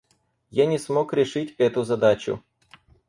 Я не смог решить эту задачу.